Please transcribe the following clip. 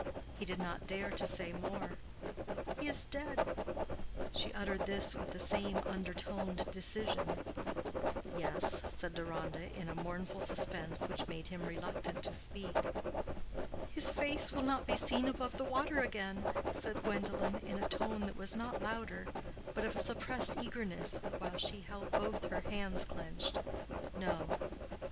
He did not dare to say more. "He is dead." She uttered this with the same undertoned decision. "Yes," said Deronda, in a mournful suspense which made him reluctant to speak. "His face will not be seen above the water again," said Gwendolen, in a tone that was not louder, but of a suppressed eagerness, while she held both her hands clenched. "No."